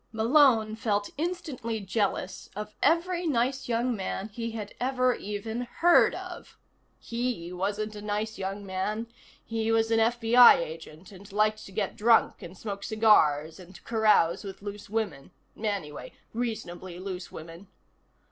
Malone felt instantly jealous of every nice young man he had ever even heard of. He wasn't a nice young man; he was an FBI agent, and he liked to get drunk and smoke cigars and carouse with loose women. Anyway, reasonably loose women.